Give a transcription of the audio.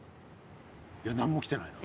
いや何もきてないな。